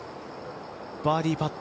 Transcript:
バーディーパット。